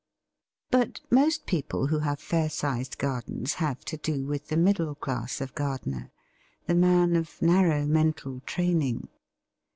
But most people who have fair sized gardens have to do with the middle class of gardener, the man of narrow mental training.